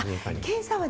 検査は？